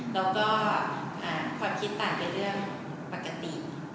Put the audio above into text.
แล้วก็ความคิดต่างเป็นเรื่องปกติ